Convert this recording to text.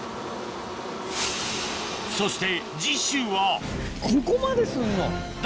そして次週はここまですんの？